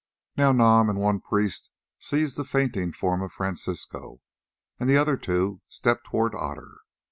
Now Nam and one priest seized the fainting form of Francisco and the other two stepped towards Otter.